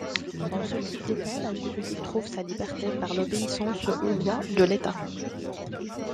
Dans ce type d'État, l'individu trouve sa liberté par l'obéissance aux lois de l'État.